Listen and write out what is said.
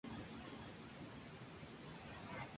Su pelo es muy suave y requiere mucho cuidado.